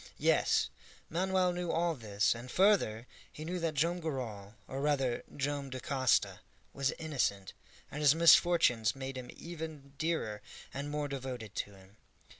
Yes, Manoel knew all this, and, further, he knew that Joam Garral or rather Joam Dacosta was innocent, and his misfortunes made him even dearer and more devoted to him.